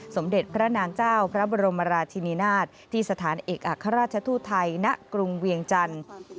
สมเด็จพระนางเจ้าพระบรมราชินินาศที่สถานเอกอัครราชทูตไทยณกรุงเวียงจันทร์